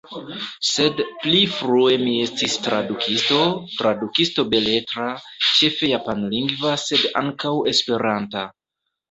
Sed pli frue mi estis tradukisto, tradukisto beletra, ĉefe japanlingva sed ankaŭ esperanta.